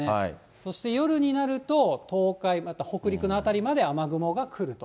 そして夜になると、東海、また北陸の辺りまで雨雲が来ると。